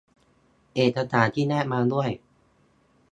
เอกสารที่แนบมาด้วย